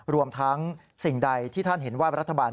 รวมทั้งสิ่งใดที่ท่านเห็นว่ารัฐบาล